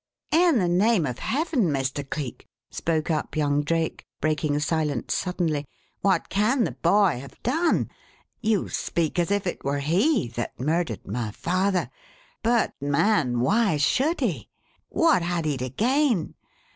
"In the name of heaven, Mr. Cleek," spoke up young Drake, breaking silence suddenly, "what can the boy have done? You speak as if it were he that murdered my father; but, man, why should he? What had he to gain?